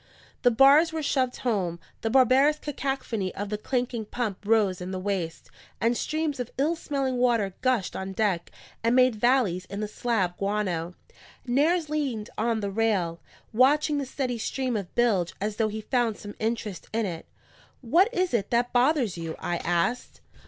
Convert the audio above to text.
The bars were shoved home; the barbarous cacophony of the clanking pump rose in the waist; and streams of ill smelling water gushed on deck and made valleys in the slab guano. Nares leaned on the rail, watching the steady stream of bilge as though he found some interest in it. "What is it that bothers you?" I asked.